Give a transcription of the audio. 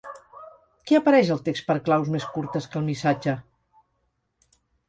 Què apareix al text per claus més curtes que el missatge?